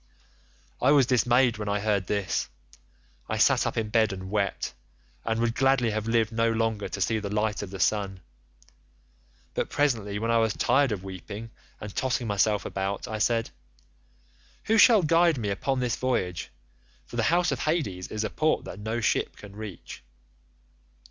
"I was dismayed when I heard this. I sat up in bed and wept, and would gladly have lived no longer to see the light of the sun, but presently when I was tired of weeping and tossing myself about, I said, 'And who shall guide me upon this voyage—for the house of Hades is a port that no ship can reach.